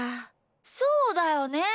そうだよね。